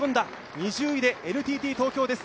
２０位でＮＴＴ東京です。